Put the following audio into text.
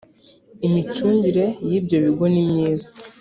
imicungire y ibyo bigo nimyiza